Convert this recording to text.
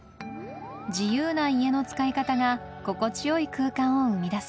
自由な家の使い方が心地よい空間を生み出す